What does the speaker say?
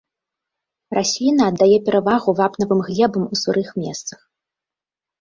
Расліна аддае перавагу вапнавым глебам у сырых месцах.